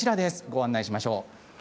ご案内しましょう。